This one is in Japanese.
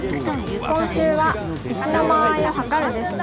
今週は「石の間合いをはかる」です。